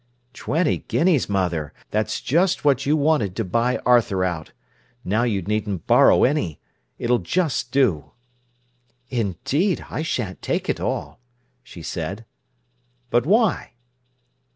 "Twenty guineas, mother! That's just what you wanted to buy Arthur out. Now you needn't borrow any. It'll just do." "Indeed, I shan't take it all," she said. "But why?"